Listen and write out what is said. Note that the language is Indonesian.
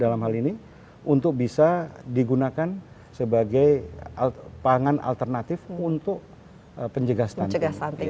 dalam hal ini untuk bisa digunakan sebagai pangan alternatif untuk penjaga stunting